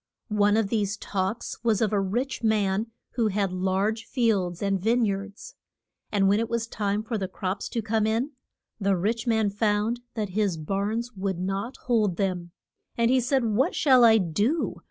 One of these talks was of a rich man who had large fields and vine yards. And when it was time for the crops to come in, the rich man found that his barns would not hold them. And he said, What shall I do?